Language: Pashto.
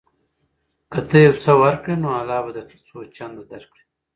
که ته یو څه ورکړې نو الله به درته څو چنده درکړي.